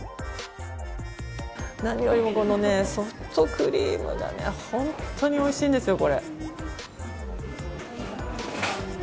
何よりもソフトクリームが本当においしいんですよ。